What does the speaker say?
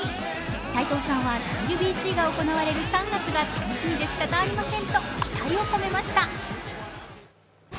斎藤さんはＷＢＣが行われる３月が楽しみでしかたありませんと期待を込めました。